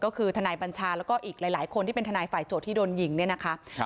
ก็คือทนายบัญชาแล้วก็อีกหลายคนที่เป็นทนายฝ่ายโจทย์ที่โดนยิงเนี่ยนะคะ